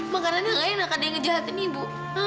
makanannya nggak enak ada yang ngejahatin ibu